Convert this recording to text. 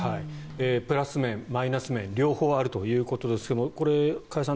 プラス面、マイナス面両方あるということですがこれ、加谷さん